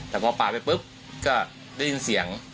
แต่พอปาดไปปุ๊บก็ได้ยินเสียง